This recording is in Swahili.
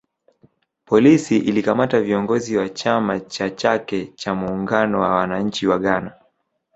Polisi ilikamata viongozi wa chama cha chake cha muungano wa wananchi wa Ghana